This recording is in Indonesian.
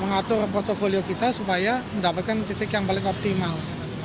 mengatur portfolio kita supaya mendapatkan titik yang paling optimal